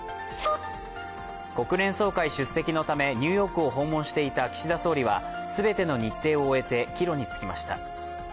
国連総会出席のため、ニューヨークを訪問していた岸田総理は全ての日程を終えて帰路につきました。